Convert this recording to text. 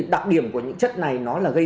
đặc điểm của những chất này là gây ra